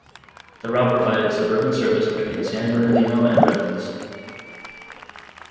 The route provided suburban service between San Bernardino and Redlands.